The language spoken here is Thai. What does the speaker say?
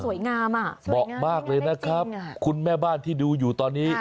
สวยงามได้จริงอ่ะเหมาะมากเลยนะครับคุณแม่บ้านที่ดูอยู่ตอนนี้